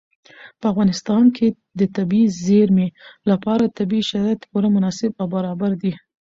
په افغانستان کې د طبیعي زیرمې لپاره طبیعي شرایط پوره مناسب او برابر دي.